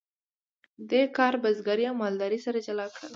دې کار بزګري او مالداري سره جلا کړل.